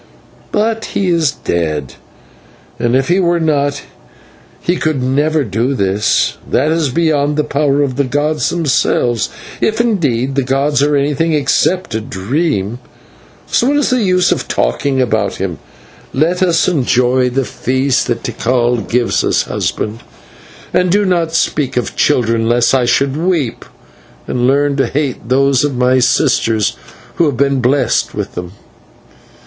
But he is dead, and if he were not he could never do this; that is beyond the power of the gods themselves, if indeed the gods are anything but a dream. So what is the use of talking about him; let me enjoy the feast that Tikal gives us, husband, and do not speak of children, lest I should weep, and learn to hate those of my sisters who have been blest with them."